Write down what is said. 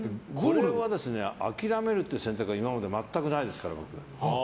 これは諦めるっていう選択が今まで全くないですから、僕。